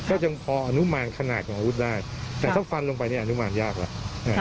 ก็ยังพออนุมานขนาดของอาวุธได้แต่ถ้าฟันลงไปนี่อนุมานยากแล้ว